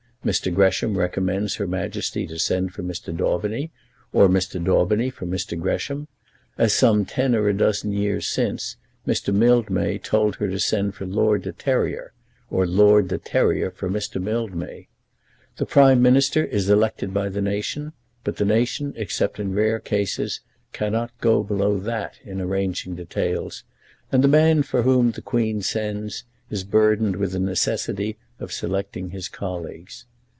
Mr. Gresham recommends Her Majesty to send for Mr. Daubeny, or Mr. Daubeny for Mr. Gresham, as some ten or a dozen years since Mr. Mildmay told her to send for Lord de Terrier, or Lord de Terrier for Mr. Mildmay. The Prime Minister is elected by the nation, but the nation, except in rare cases, cannot go below that in arranging details, and the man for whom the Queen sends is burdened with the necessity of selecting his colleagues.